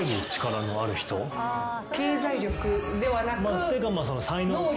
経済力ではなく能力？